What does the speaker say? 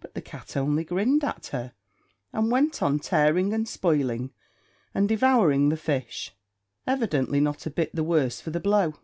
But the cat only grinned at her, and went on tearing and spoiling and devouring the fish, evidently not a bit the worse for the blow.